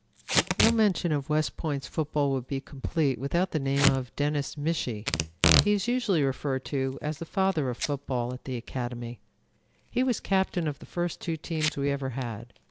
"No mention of West Point's football would be complete without the name of Dennis Michie. He is usually referred to as the Father of Football at the Academy. He was captain of the first two teams we ever had.